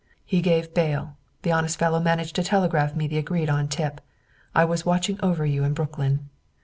He gave bail, the honest fellow managed to telegraph me the agreed on tip. I was watching over you in Brooklyn.